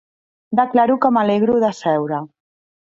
Declaro que m'alegro de seure.